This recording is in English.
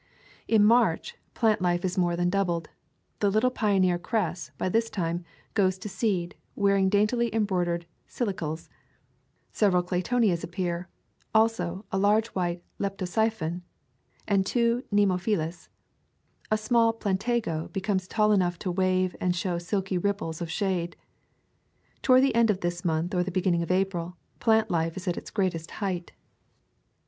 In March, plant life is more than doubled. The little pioneer cress, by this time, goes to seed, wearing daintily embroidered silicles. Several claytonias appear; also, a large white leptosiphon[?], and two nemophilas. A small plantago becomes tall enough to wave and show silky ripples of shade. Toward the end of this month or the beginning of April, plant life is at its greatest height.